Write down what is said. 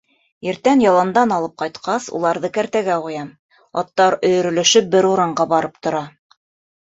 Иртән яландан алып ҡайтҡас, уларҙы кәртәгә ҡуям, аттар өйөрөлөшөп бер урынға барып тора.